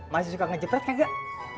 masih suka ngejepret kagak